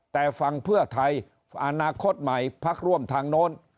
แต่ฟังเพื่อไทยอนาคตใหม่พักร่วมทางโน้น